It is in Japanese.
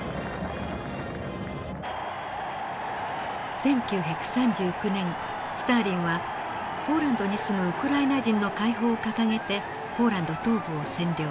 １９３９年スターリンはポーランドに住むウクライナ人の解放を掲げてポーランド東部を占領。